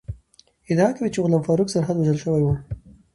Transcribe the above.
ادعا کوي چې غلام فاروق سرحدی وژل شوی ؤ